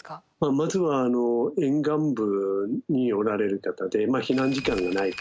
まずは沿岸部におられる方で避難時間がない方ですね。